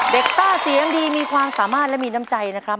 ต้าเสียงดีมีความสามารถและมีน้ำใจนะครับ